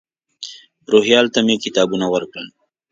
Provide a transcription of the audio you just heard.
روهیال ته مې کتابونه ورکړل.